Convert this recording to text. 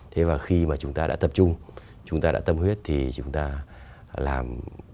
thế và khi mà chúng ta đã tập trung chúng ta đã tâm huyết thì chúng ta làm